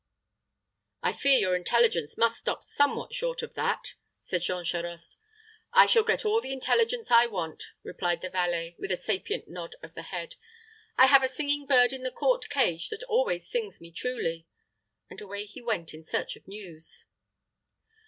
"I fear your intelligence must stop somewhat short of that," said Jean Charost. "I shall get all the intelligence I want," replied the valet, with a sapient nod of the head. "I have a singing bird in the court cage that always sings me truly;" and away he went in search of news.